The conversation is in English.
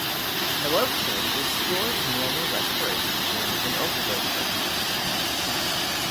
Naloxone restores normal respiration in an overdose victim.